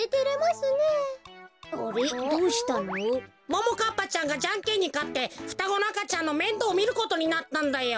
ももかっぱちゃんがじゃんけんにかってふたごのあかちゃんのめんどうみることになったんだよ。